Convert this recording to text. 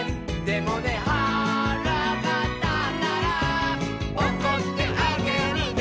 「でもねはらがたったら」「おこってあげるね」